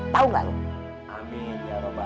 tau gak lu